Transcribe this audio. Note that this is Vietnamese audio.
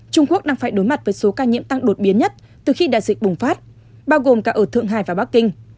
trung quốc đang phải đối mặt với số ca nhiễm tăng đột biến nhất từ khi đại dịch bùng phát bao gồm cả ở thượng hải và bắc kinh